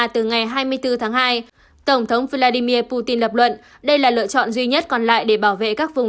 tổng thống vladimir putin lập luận đây là lựa chọn duy nhất còn lại để bảo vệ các vùng